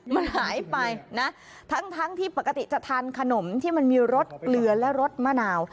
มันหายไปนะทั้งที่ปกติจะทานขนมที่มันมีรสเกลือและรสมะนาว